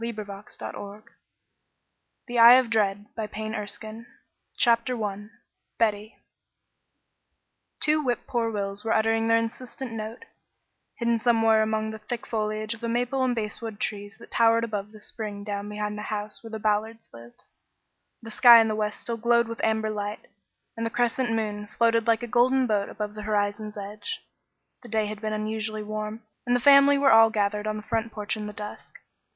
THE SAME BOY 499 THE EYE OF DREAD BOOK ONE CHAPTER I BETTY Two whip poor wills were uttering their insistent note, hidden somewhere among the thick foliage of the maple and basswood trees that towered above the spring down behind the house where the Ballards lived. The sky in the west still glowed with amber light, and the crescent moon floated like a golden boat above the horizon's edge. The day had been unusually warm, and the family were all gathered on the front porch in the dusk.